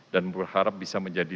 dan berharap bisa menjadi